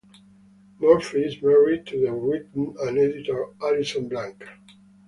Murphy is married to the writer and editor Alison Blank.